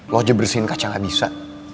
lo aja bersihin kaca gak bisa